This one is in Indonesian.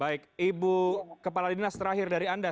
baik ibu kepala dinas terakhir dari anda